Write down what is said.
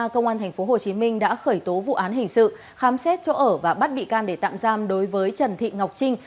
công an thành phố hồ chí minh đã khởi tố vụ án hình sự khám xét chỗ ở và bắt bị can để tạm giam đối với trần thị ngọc trinh